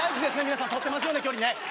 皆さんとってますよね